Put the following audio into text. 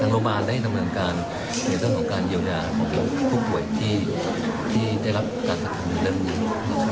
โรงพยาบาลได้ดำเนินการในเรื่องของการเยียวยาของผู้ป่วยที่ได้รับการสนับสนุนในเรื่องนี้